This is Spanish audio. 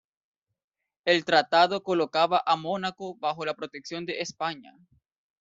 El tratado colocaba a Mónaco bajo la protección de España.